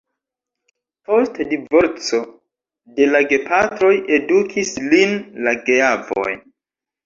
Post divorco de la gepatroj edukis lin la geavoj.